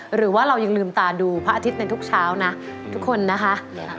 หรือว่าเรายังลืมตาดูพระอาทิตย์ในทุกเช้านะทุกคนนะคะ